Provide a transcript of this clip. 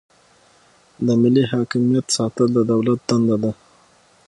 د ملي حاکمیت ساتل د دولت دنده ده.